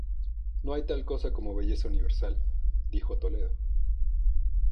No hay tal cosa como "belleza universal", dijo Toledo.